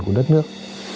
của đất nước